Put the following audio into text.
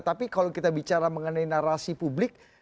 tapi kalau kita bicara mengenai narasi publik